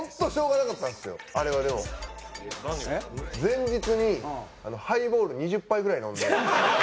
前日にハイボール２０杯ぐらい飲んで。